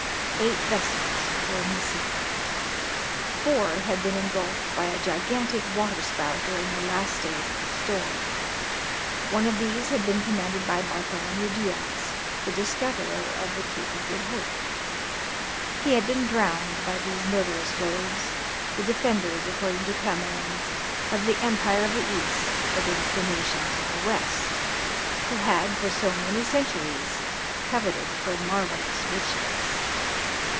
Eight vessels were missing; four had been engulfed by a gigantic water spout during the last days of the storm. One of these had been commanded by Bartholomew Diaz, the discoverer of the Cape of Good Hope: he had been drowned by these murderous waves, the defenders, according to Camoens, of the empire of the east against the nations of the west, who had for so many centuries coveted her marvellous riches.